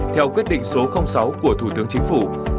theo quyết định số sáu của thủ tướng chính phủ